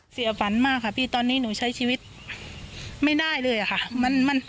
เสียฝันมากค่ะพี่ตอนนี้หนูใช้ชีวิตไม่ได้เลยค่ะ